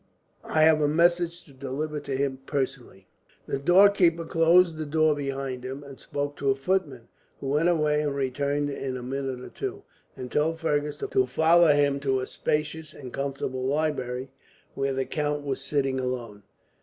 "I have a message to deliver to him, personally." The doorkeeper closed the door behind him and spoke to a footman, who went away and returned, in a minute or two, and told Fergus to follow him to a spacious and comfortable library, where the count was sitting alone.